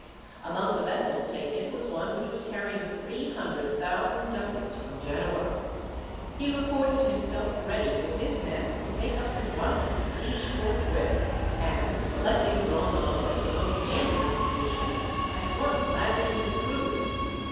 Among the vessels taken was one which was carrying three hundred thousand ducats from Genoa. He reported himself ready with his men to take up the brunt of the siege forthwith, and selecting Brondolo as the most dangerous position, at once landed his crews.